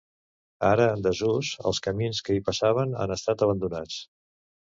Ara en desús, els camins que hi passaven han estat abandonats.